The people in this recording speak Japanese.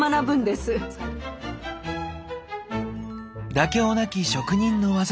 妥協なき職人の技。